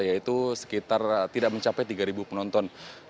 yaitu sekitar tidak mencapai tiga penonton